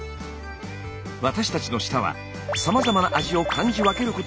私たちの舌はさまざまな味を感じ分けることができます。